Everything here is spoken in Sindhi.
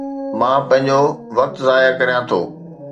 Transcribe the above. مان پنهنجو وقت ضايع ڪريان ٿو